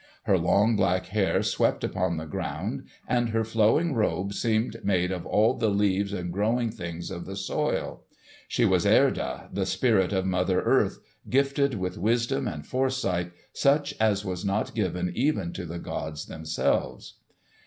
Her long black hair swept upon the ground, and her flowing robe seemed made of all the leaves and growing things of the soil. She was Erda, the spirit of Mother Earth, gifted with wisdom and foresight such as was not given even to the gods themselves.